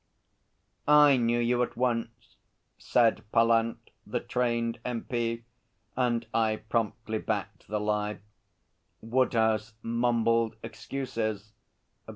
'I knew you at once,' said Pallant, the trained M.P., and I promptly backed the lie. Woodhouse mumbled excuses.